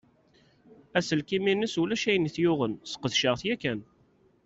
Aselkim-ines ulac ayen t-yuɣen. Sqedceɣ-t yakan.